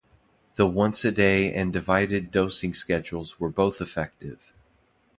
The once a day and divided dosing schedules were both effective.